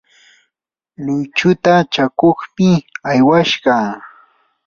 luychuta chakuqmi aywashqa.